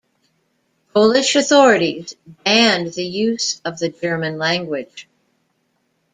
Polish authorities banned the use of the German language.